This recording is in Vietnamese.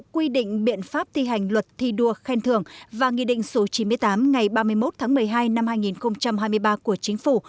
quy định biện pháp thi hành luật thi đua khen thường và nghị định số chín mươi tám ngày ba mươi một tháng một mươi hai năm hai nghìn hai mươi ba của chính phủ